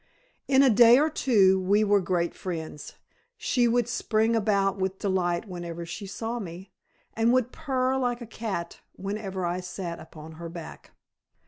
In a day or two we were great friends; she would spring about with delight whenever she saw me, and would purr like a cat whenever I sat upon her back.